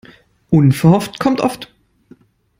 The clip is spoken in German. Unverhofft kommt oft.